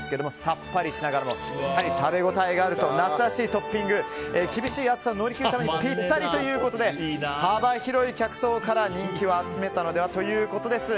さっぱりしながらも食べ応えがあると夏らしいトッピング厳しい暑さを乗り切るためにぴったりということで幅広い客層から人気を集めたのではということです。